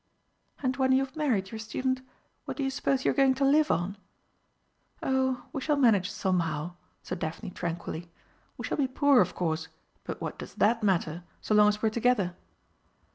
"And when you have married your student, what do you suppose you are going to live on?" "Oh, we shall manage somehow," said Daphne tranquilly. "We shall be poor, of course, but what does that matter so long as we're together?"